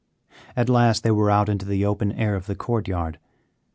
At last they were out into the open air of the court yard.